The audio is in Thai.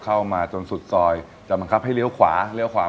เข้ามาจนสุดซอยจะบังคับให้เลี้ยวขวา